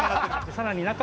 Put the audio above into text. さらに。